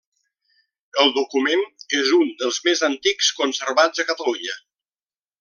El document és un dels més antics conservats a Catalunya.